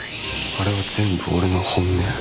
あれは全部俺の本音。